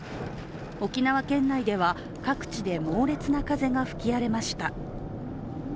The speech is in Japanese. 沖縄県内では各地で猛烈な風が吹き荒れました。